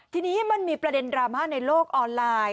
ทีนี้มันมีประเด็นดราม่าในโลกออนไลน์